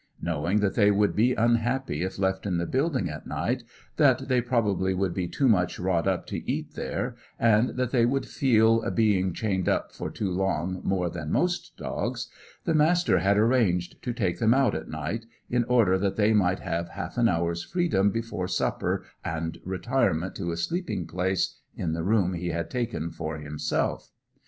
Knowing that they would be unhappy if left in the building at night, that they probably would be too much wrought up to eat there, and that they would feel being chained up for so long more than most dogs, the Master had arranged to take them out at night, in order that they might have half an hour's freedom before supper and retirement to a sleeping place in the room he had taken for himself.